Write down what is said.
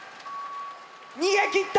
逃げ切った！